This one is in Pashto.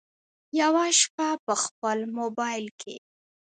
یوه شپه په خپل مبایل کې